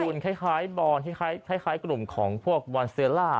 มันเป็นตระกูลคล้ายบอร์นคล้ายกลุ่มของพวกบอนเซลล่า